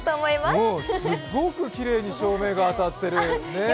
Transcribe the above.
すっごくきれいに照明が当たってる。